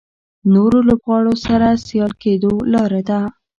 نورو لوبغاړو سره سیال کېدو لاره ده.